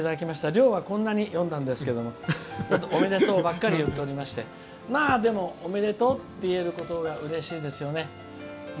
量が、こんなに読んだんですけどおめでとうばかり言っておりましてでも、おめでとうって言えることがうれしいですよね。